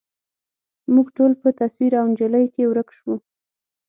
موږ ټول په تصویر او انجلۍ کي ورک شوو